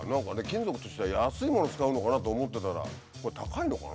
金属としては安いもの使うのかなと思ってたら。